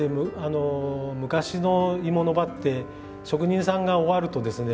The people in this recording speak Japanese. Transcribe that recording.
昔の鋳物場って職人さんが終わるとですね